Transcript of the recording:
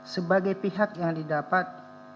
sebagai pihak yang didapat